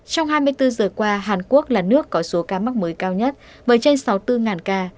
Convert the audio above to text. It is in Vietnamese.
trong hai mươi bốn giờ qua hàn quốc là nước có số ca mắc mới cao nhất với trên sáu mươi bốn ca